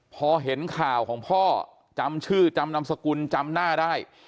พอเห็นข่าวของพ่อจำชื่อจำนำสกุลจำหน้าได้